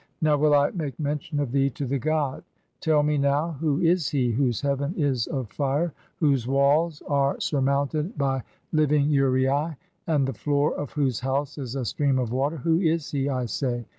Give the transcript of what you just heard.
'Now "will I make mention of thee (to the god].' * '[Tell me now], "who is he 2 whose (44) heaven is of fire, whose walls [are "surmounted by] living uraei, and the floor of whose house is "a stream of water? Who is he, I say?'